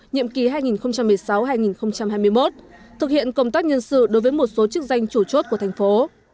nhiệm kỳ hai nghìn một mươi sáu hai nghìn hai mươi một thực hiện công tác nhân sự đối với một số chức danh chủ chốt của thành phố